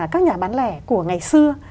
các nhà bán lẻ của ngày xưa